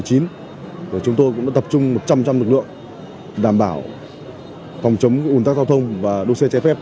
chúng tôi cũng đã tập trung một trăm linh lực lượng đảm bảo phòng chống ủn tắc giao thông và đua xe trái phép